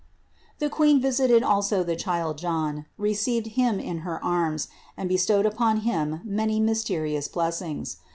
309. The Queen visited also the child John, received him in her arms and bestowed upon him many myste rious blessings.